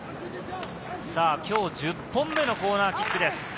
今日１０本目のコーナーキックです。